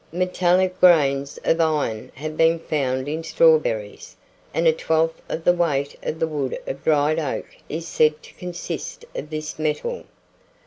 Metallic grains of iron have been found in strawberries, and a twelfth of the weight of the wood of dried oak is said to consist of this metal.